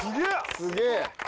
すげえ。